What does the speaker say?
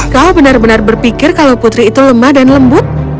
kau benar benar berpikir kalau putri itu lemah dan lembut